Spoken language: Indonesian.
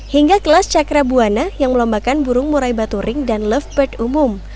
hingga kelas cakra buwana yang melombakan burung murai batu ring dan lovebird umum